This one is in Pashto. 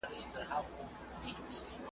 ساینس پوهان تل نوي شیان زده کوي.